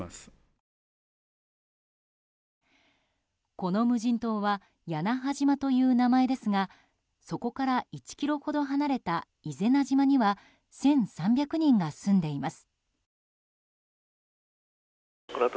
この無人島は屋那覇島という名前ですがそこから１ｋｍほど離れた伊是名島には１３００人が住んでいます。